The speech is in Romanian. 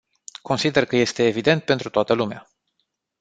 Consider că este evident pentru toată lumea.